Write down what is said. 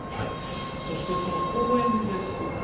そしてその公園ですが。